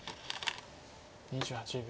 ２８秒。